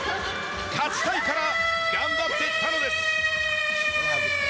勝ちたいから頑張ってきたのです。